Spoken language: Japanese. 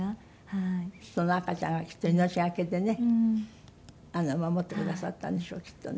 その赤ちゃんがきっと命懸けでね守ってくださったんでしょうきっとね。